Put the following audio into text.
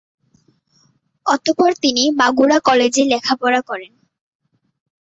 অতঃপর তিনি মাগুরা কলেজে লেখাপড়া করেন।